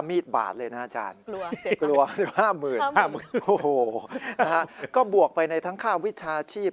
มีดบาทเลยนะอาจารย์กลัว๕๐๐๐โอ้โหนะฮะก็บวกไปในทั้งค่าวิชาชีพ